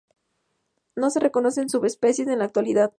No se reconocen subespecies en la actualidad.